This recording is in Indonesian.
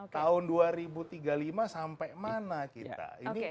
tahun dua ribu tiga puluh lima sampai mana kita